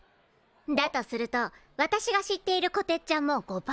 だとすると私が知ってるこてっちゃんも５％ってこと？